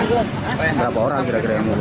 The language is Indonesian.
berapa orang kira kira yang boleh itu